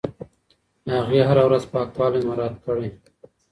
هغې هره ورځ پاکوالی مراعت کړی.